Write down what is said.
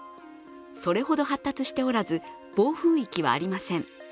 それほど発達しておらず暴風域はありません。